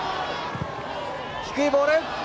低いボールっと。